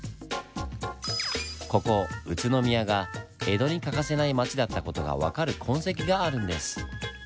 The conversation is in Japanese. ここ宇都宮が江戸に欠かせない町だった事が分かる痕跡があるんです。